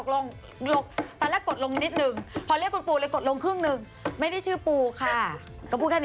ล่าสุดตึกแก่ม่าตึกแก่ม่า